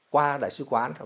qua đại sứ quán